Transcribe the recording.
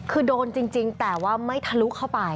คือโดนจริงแต่ว่าไม่ทะลุเข้าไป